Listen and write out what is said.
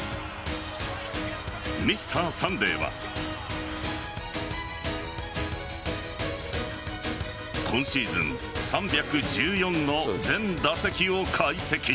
「Ｍｒ．サンデー」は今シーズン３１４の全打席を解析。